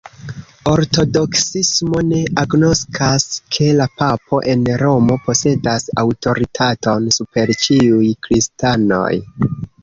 Ortodoksismo ne agnoskas, ke la papo en Romo posedas aŭtoritaton super ĉiuj Kristanoj.